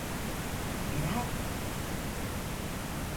えらい